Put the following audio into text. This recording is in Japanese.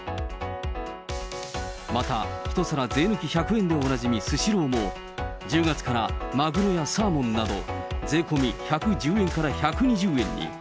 また１皿税抜き１００円でおなじみ、スシローも１０月からマグロやサーモンなど、税込み１１０円から１２０円に。